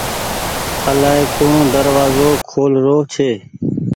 الآئي ڪوڻ دروآزو کول رو ڇي۔